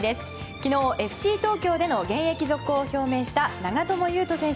昨日、ＦＣ東京での現役続行を表明した長友佑都選手。